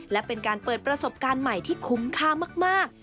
และเป็นการเปิดประสบการณ์ใหม่ที่คุ้มค่ามาก